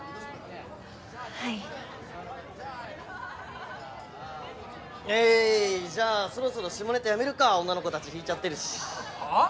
はいえいじゃあそろそろ下ネタやめるか女の子たち引いちゃってるし・はぁ？